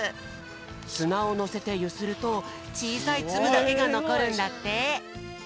すなをのせてゆするとちいさいツブだけがのこるんだって。